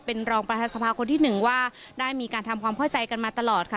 เป็นรองประธานสภาคนที่หนึ่งว่าได้มีการทำความเข้าใจกันมาตลอดค่ะ